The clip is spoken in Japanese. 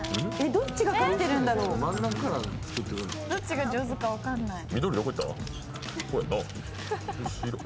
どっちが上手か分かんない。